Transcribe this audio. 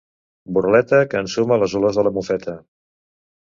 Burleta que ensuma les olors de la mofeta.